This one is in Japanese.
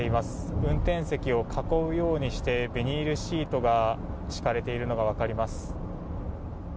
運転席を囲うようにしてビニールシートが敷かれているのが分かります。